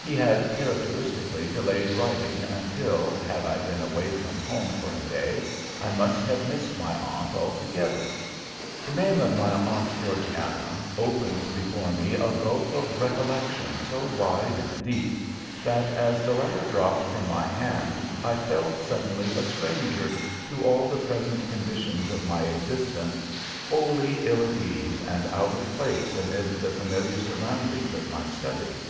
He had characteristically delayed writing until, had I been away from home for a day, I must have missed my aunt altogether. The name of my Aunt Georgiana opened before me a gulf of recollection so wide and deep that, as the letter dropped from my hand, I felt suddenly a stranger to all the present conditions of my existence, wholly ill at ease and out of place amid the familiar surroundings of my study.